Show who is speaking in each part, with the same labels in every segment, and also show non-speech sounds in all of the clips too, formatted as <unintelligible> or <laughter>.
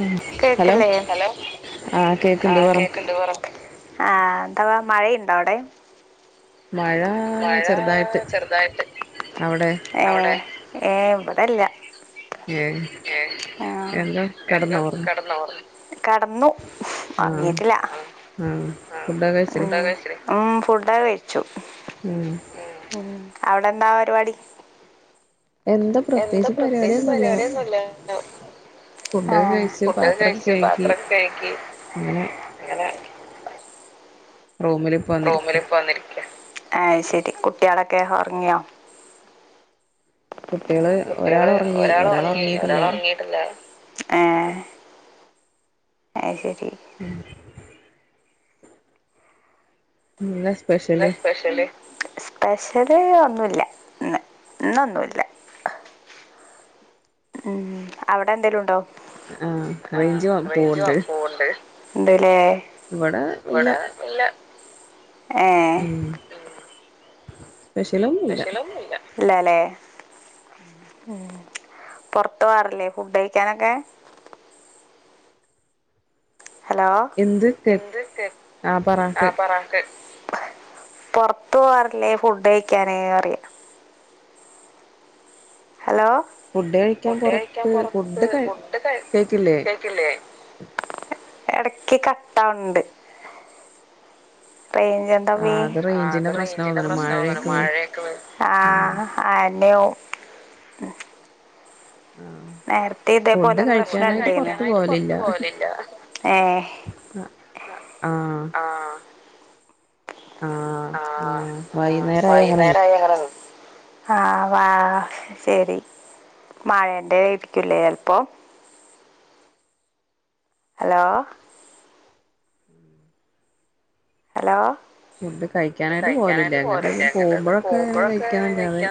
Speaker 1: മ്മ്ഹ്.. <inaudible> <unintelligible>
Speaker 2: കേൾക്കില്ലേ ഹലോ. ആ,
Speaker 1: കേക്ക്ണ്ട് പറ
Speaker 2: കേൾക്കുന്നുണ്ട്. പറ. ആ, ന്താവാ മഴയുണ്ടോ അവിടെ?
Speaker 1: മഴ
Speaker 2: മഴ
Speaker 1: ചെറുതായിട്ട്
Speaker 2: ചെറുതായിട്ട്.
Speaker 1: അവിടെ
Speaker 2: അവിടെ, ഏ. ഇവടല്ലാ.
Speaker 1: ഏ
Speaker 2: ആ,
Speaker 1: എന്താ
Speaker 2: എന്താ?
Speaker 1: കെടന്നോ
Speaker 2: കടന്നു. ഉറങ്ങിയിട്ടില്ല.
Speaker 1: ആ. ഫുഡ് ഒക്കെ കഴിച്ചിലേ?
Speaker 2: മ്മ്ഹ്. ഫുഡ് കഴിച്ചു.
Speaker 1: ഉം.
Speaker 2: ഉം. അവിടെന്താ പരിവാടി?
Speaker 1: എന്ത് പ്രത്യേയിച്ച് പരിവടിന്നുല്ല.
Speaker 2: ആ
Speaker 1: ഫുഡൊക്കെ കഴിച്. പാത്രക്കെ
Speaker 2: പാത്രൊക്കെ കഴുകി
Speaker 1: കഴ്കിങ്ങനെ.
Speaker 2: അങ്ങനെ
Speaker 1: റൂമില് ഇപ്പ വന്നിരിക്ക
Speaker 2: റൂമിൽ ഇപോവന്നിരിക്യ. ആഹ് ശരി. കുട്ട്യാളക്കെ ഒറങ്ങിയോ?
Speaker 1: കുട്ടികള് ഒരാൾ
Speaker 2: കുട്ട്യോള്
Speaker 1: ഒറങ്ങി
Speaker 2: ഒരാൾ ഒറങ്ങി.
Speaker 1: ഒറങ്ങിയിട്ടില്ല
Speaker 2: ഒരാൾ ഒറങ്ങീട്ടില്ല. ഏഹ് അത് ശെരി
Speaker 1: <inaudible> <unintelligible>
Speaker 2: ഇന്ന് സ്പെഷ്യല് സ്പെഷ്യല് ഒന്നുല്ല ഇന്ന് ഇന്നൊന്നുല്ല മ്മ് അവടെന്തേലുണ്ടോ
Speaker 1: ആഹ്
Speaker 2: ആഹ്
Speaker 1: റേഞ്ച്
Speaker 2: റൈഞ്ച് കൊ
Speaker 1: പോവ്ണ്ട്
Speaker 2: പോണ്ട് ണ്ട്ലേ
Speaker 1: ഇവടെ ഇല്ല
Speaker 2: ഏ
Speaker 1: മ്മ്ഹ്
Speaker 2: സ്പെഷ്യലൊന്നുല്ല ഇല്ലലേ മ്മ്ഹ് പൊറത്ത് പോവറില്ലെ ഫുഡ്ഴിക്കാനൊക്കെ ഹലോ
Speaker 1: എന്ത് കേ
Speaker 2: എന്ത് കെ
Speaker 1: ആഹ് പറ കേ
Speaker 2: ആഹ് പറാക്ക് പൊറത്ത് പോവാറില്ലേ ഫുഡ്ഴിക്കാന് അറിയ ഹലോ ഫുഡ് കഴിക്കാൻ
Speaker 1: പൊറത്ത്
Speaker 2: പൊറത്ത്
Speaker 1: ഫുഡ് കഴി
Speaker 2: ഫുഡ് കെ
Speaker 1: കേക്കില്ലേ
Speaker 2: കേക്കില്ലേ എടക്ക് കട്ടാവ്ണ്ട് റൈഞ്ച് എന്താവി
Speaker 1: ആഹ് അത് റേഞ്ചിന്റെ
Speaker 2: ആകെ
Speaker 1: പ്രശ്നം
Speaker 2: റൈഞ്ചിന്റെ
Speaker 1: തോന്ന്ണ്
Speaker 2: പ്രശ്നഓന്ന്ണ്
Speaker 1: മഴയൊക്കെ വെ
Speaker 2: മഴേ ആഹ് ആഎന്നെവും
Speaker 1: ആഹ്
Speaker 2: നേര്ത്തി
Speaker 1: ഫുഡ്
Speaker 2: ഇതേപോലൊരു
Speaker 1: കഴിക്കാനായിട്ട്
Speaker 2: പ്രശ്നണ്ടേന്ന്
Speaker 1: പൊറത്ത്
Speaker 2: ഏഹ്
Speaker 1: അഹ് ആഹ് ആഹ്
Speaker 2: ആഹ് ആഹ്
Speaker 1: വൈന്നേരായ അങ്ങനെ
Speaker 2: വൈന്നേരങ്ങള്ത് ആഹ് വാ ശെരി മഴന്റെ ഏരിക്ക്ല്ലേ ചെൽപ്പോ ഹലോ
Speaker 1: ഉം
Speaker 2: ഹലോ
Speaker 1: ഫുഡ് കഴിക്കാനായിട്ട് പോവലില്ല
Speaker 2: കഴിക്കാനായിട്ട്
Speaker 1: അങ്ങട്ടൊന്നും പോകുമ്പഴൊക്കെ അങ്ങനെ കഴിക്കാനല്ലാതെ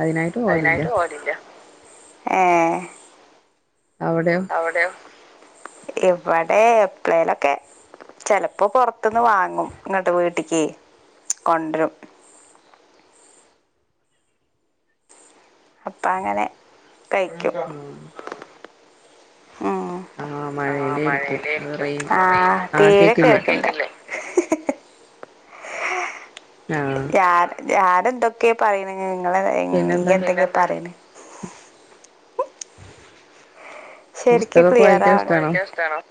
Speaker 1: അതിനായിട്ട്
Speaker 2: അതിനാ
Speaker 1: പോവലില്ല
Speaker 2: ഏഹ്
Speaker 1: അവിടെയോ
Speaker 2: അവിട്യാെ ഇവടെ എപ്ളേലൊക്കെ ചെലപ്പോ പൊറത്ത്ന്ന് വാങ്ങും. ഇങ്ങട്ട് വീട്ടിക്ക് കൊണ്ട്രും. അപ്പം അങ്ങനെ കഴിക്കും ഉം ആഹ്
Speaker 1: മഴേന്റെ ആയിരിക്കും അത് റേഞ്ച്
Speaker 2: മഴലർക്കുംആഹ്
Speaker 1: ആഹ് കേക്കില്ലേ
Speaker 2: തീരക്കേക്ക്ണ്ട
Speaker 1: ആഹ്
Speaker 2: ആര് ആരെന്തൊക്കെയ പറിണ് ഇങ്ങളെ
Speaker 1: പിന്നെന്താ
Speaker 2: എന്തെങ്കിലും പറിണ് ശരിക്ക്
Speaker 1: പുസ്തകൊക്കെ
Speaker 2: ക്ലിയർ
Speaker 1: വായിക്കാൻ ഇഷ്ടാണോ
Speaker 2: ആണം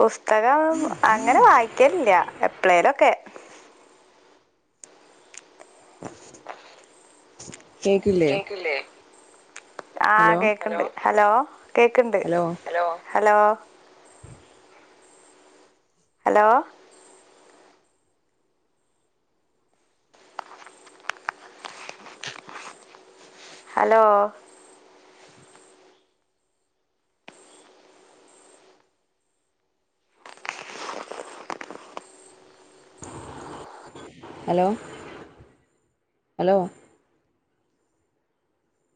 Speaker 2: പുസ്തകം അങ്ങനെ വായിക്കലില്ല എപ്ലേലൊക്കെ
Speaker 1: കേക്കില്ലേ
Speaker 2: കേക്ക്ല്ലേ ആഹ്
Speaker 1: ഹലോ
Speaker 2: കേക്ക്ണ്ട് ഹലോ കേക്ക്ണ്ട്
Speaker 1: hello
Speaker 2: hello hello hello
Speaker 1: hello hello